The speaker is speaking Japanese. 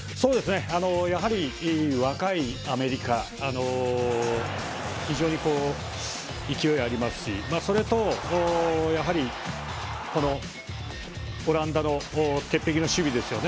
やはり若いアメリカは非常に勢いがありますしそれと、オランダの鉄壁の守備ですよね。